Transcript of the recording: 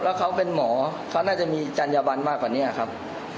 แล้วเขาเป็นหมอเขาน่าจะมีจัญญบันมากกว่านี้ครับ